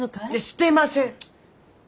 してません！